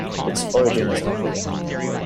Its origin is unclear.